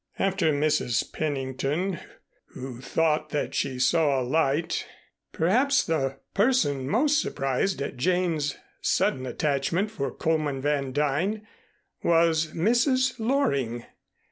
After Mrs. Pennington, who thought that she saw a light, perhaps the person most surprised at Jane's sudden attachment for Coleman Van Duyn was Mrs. Loring.